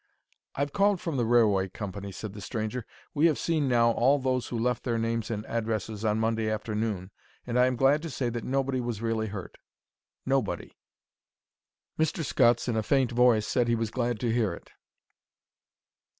"I've called from the railway company," said the stranger. "We have seen now all those who left their names and addresses on Monday afternoon, and I am glad to say that nobody was really hurt. Nobody." Mr. Scutts, in a faint voice, said he was glad to hear it.